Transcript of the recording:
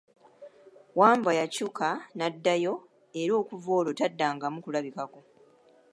Wambwa yakyuka n'addayo era okuva olwo taddangamu kulabikako.